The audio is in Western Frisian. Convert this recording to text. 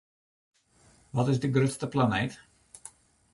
Wat is de grutste planeet?